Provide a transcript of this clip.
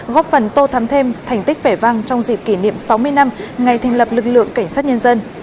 góp phần tô thắm thêm thành tích vẻ vang trong dịp kỷ niệm sáu mươi năm ngày thành lập lực lượng cảnh sát nhân dân